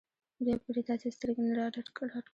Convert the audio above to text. بیا پرې تاسې سترګې نه راډکوم.